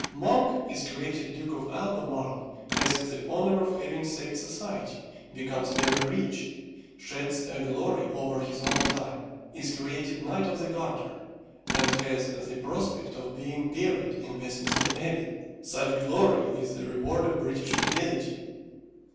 Monk is created Duke of Albemarle, has the honour of having saved society, becomes very rich, sheds a glory over his own time, is created Knight of the Garter, and has the prospect of being buried in Westminster Abbey. Such glory is the reward of British fidelity!